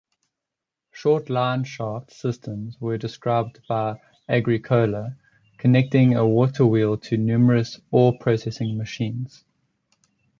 Short line-shaft systems were described by Agricola, connecting a waterwheel to numerous ore-processing machines.